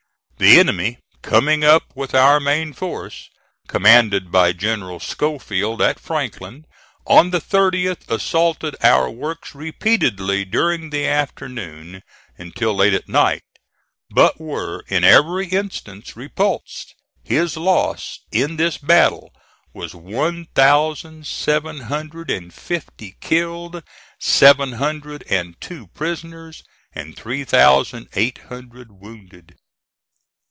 The enemy coming up with our main force, commanded by General Schofield, at Franklin, on the 30th, assaulted our works repeatedly during the afternoon until late at night, but were in every instance repulsed. His loss in this battle was one thousand seven hundred and fifty killed, seven hundred and two prisoners, and three thousand eight hundred wounded.